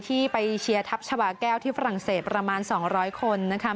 ที่ไปเชียร์ทัพชาวาแก้วที่ฝรั่งเศสประมาณ๒๐๐คนนะคะ